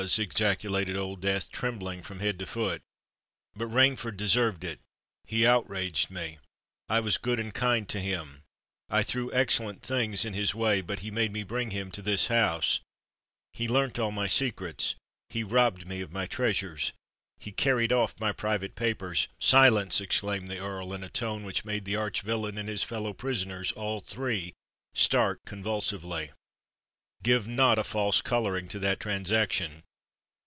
ejaculated Old Death, trembling from head to foot. "But Rainford deserved it;—he outraged me—I was good and kind to him—I threw excellent things in his way—but he made me bring him to this house—he learnt all my secrets—he robbed me of my treasures—he carried off my private papers——" "Silence!" exclaimed the Earl, in a tone which made the arch villain and his fellow prisoners all three start convulsively: "give not a false colouring to that transaction!